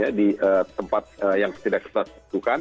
ya di tempat yang tidak kita tentukan